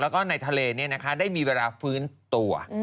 แล้วก็ในทะเลได้มีเวลาฟื้นตัว